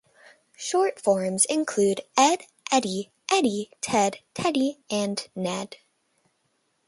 Short forms include Ed, Eddy, Eddie, Ted, Teddy and Ned.